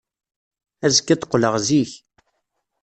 Azekka ad d-qqleɣ zik.